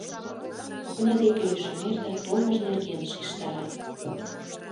Окна деке лишемеш да толмыж нерген шижтара.